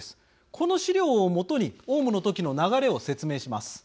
この資料を基にオウムの時の流れを紹介します。